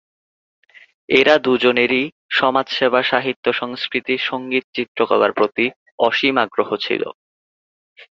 এঁরা দুজনেরই সমাজ সেবা সাহিত্য সংস্কৃতি সঙ্গীত চিত্রকলার প্রতি অসীম আগ্রহ ছিল।